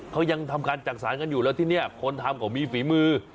เขายังทำการจักษานกันอยู่แล้วที่นี่คนทำเขามีฝีมือ